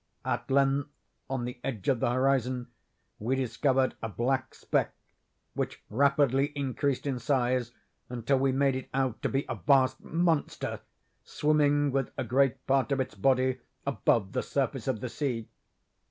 At length, on the edge of the horizon, we discovered a black speck, which rapidly increased in size until we made it out to be a vast monster, swimming with a great part of its body above the surface of the sea.